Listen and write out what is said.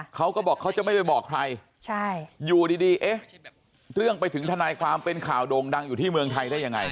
เขาก็บอกเขาจะไม่ไปบอกใครอยู่ดีเอ๊ะเรื่องไปถึงทนายความเป็นข่าวโด่งดังอยู่ที่เมืองไทยได้ยังไง